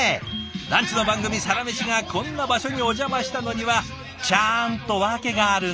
ランチの番組「サラメシ」がこんな場所にお邪魔したのにはちゃんと訳があるんです。